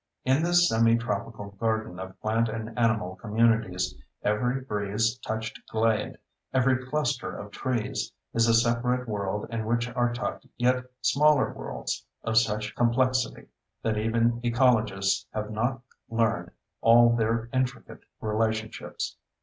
In this semitropical garden of plant and animal communities, every breeze touched glade, every cluster of trees is a separate world in which are tucked yet smaller worlds of such complexity that even ecologists have not learned all their intricate relationships.